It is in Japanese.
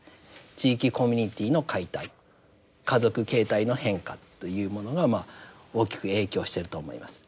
地域コミュニティーの解体家族形態の変化というものが大きく影響していると思います。